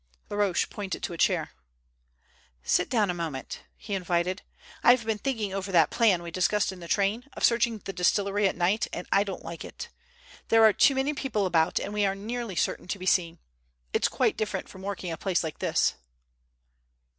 Laroche pointed to a chair. "Sit down a moment," he invited. "I have been thinking over that plan we discussed in the train, of searching the distillery at night, and I don't like it. There are too many people about, and we are nearly certain to be seen. It's quite different from working a place like this."